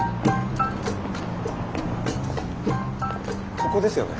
ここですよね？